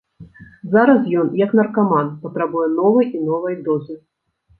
Зараз ён, як наркаман, патрабуе новай і новай дозы.